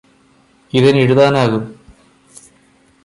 ഇതിന് എഴുതാനാകും